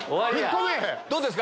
どうですか？